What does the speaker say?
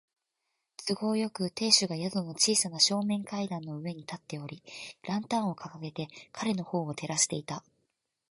都合よく、亭主が宿の小さな正面階段の上に立っており、ランタンをかかげて彼のほうを照らしていた。